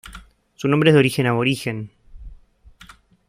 Su nombre es de origen aborigen.